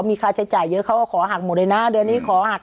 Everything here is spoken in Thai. เสียอะไร